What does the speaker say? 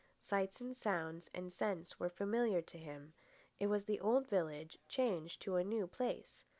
Sights and sounds and scents were familiar to him. It was the old village changed to a new place.